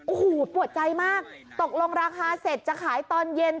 โอ้โหปวดใจมากตกลงราคาเสร็จจะขายตอนเย็น